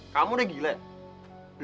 kamu yang gila ya